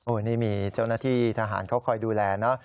นี่มีเจ้าหน้าที่ทหารเขาคอยดูแลเนอะ